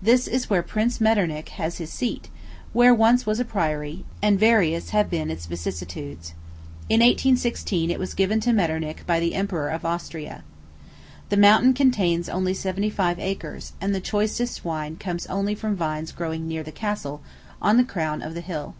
This is where Prince Metternich has his seat, where once was a priory, and various have been its vicissitudes. In 1816, it was given to Metternich by the Emperor of Austria. The mountain contains only seventy five acres, and the choicest wine comes only from vines growing near the castle, on the crown of the bill.